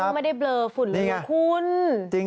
ไม่ได้เบลอฝุ่นเลยนะคุณ